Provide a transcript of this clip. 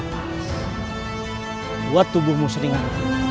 buat tubuhmu seringan